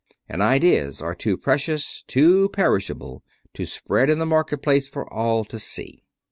And ideas are too precious, too perishable, to spread in the market place for all to see."